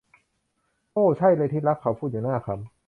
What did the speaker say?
โอ้ ใช่เลยที่รัก เขาพูดอย่างน่าขำ